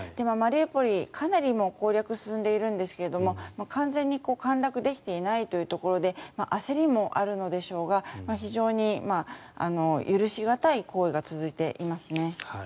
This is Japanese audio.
マリウポリ、かなり攻略が進んでいるんですが完全に陥落できていないというところで焦りもあるのでしょうが非常に許し難い行為が続いていますね。